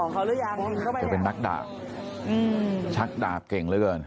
ที่เป็นนักดาบชักดาบเก่งละกัน